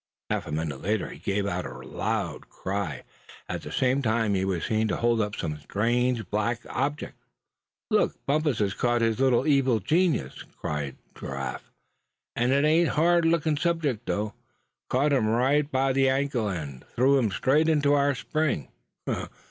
Half a minute later he gave a loud cry. At the same time he was seen to hold up some strange black object. "Look! Bumpus has caught his little evil genius!" cried Giraffe. "And ain't it a hard lookin' subject though. Caught him right by the ankle, and threw him straight into our spring.